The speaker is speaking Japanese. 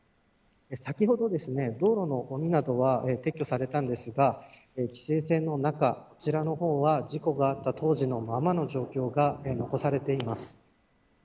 先ほど道路のごみなどは撤去されましたが規制線の中、こちらの方は事故があった当時のままの状況が残されています。